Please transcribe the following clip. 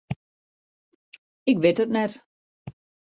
Ik wit it net.